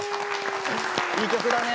いい曲だね！